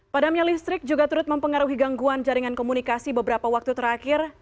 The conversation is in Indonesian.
padamnya listrik juga turut mempengaruhi gangguan jaringan komunikasi beberapa waktu terakhir